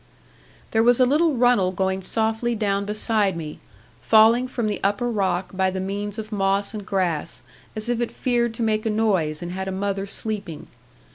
There was a little runnel going softly down beside me, falling from the upper rock by the means of moss and grass, as if it feared to make a noise, and had a mother sleeping.